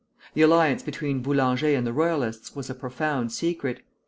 The alliance between Boulanger and the Royalists was a profound secret.